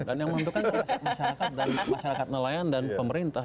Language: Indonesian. dan yang menguntungkan masyarakat dan masyarakat nelayan dan pemerintah